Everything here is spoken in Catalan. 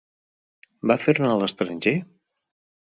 Va fer-ne a l'estranger?